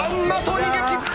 逃げきった！